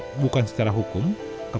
kami dapat menghargai rasanya